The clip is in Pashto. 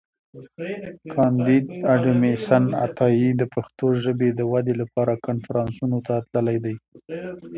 کانديد اکاډميسن عطایي د پښتو ژبي د ودي لپاره کنفرانسونو ته تللی دی.